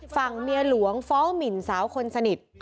ฝั่งเมียหลวงฟ้องหมินสาวคนสนิท